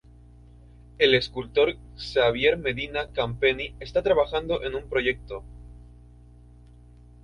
El escultor Xavier Medina Campeny está trabajando en el proyecto.